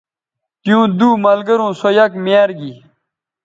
تیوں دو ملگروں سو یک میار گی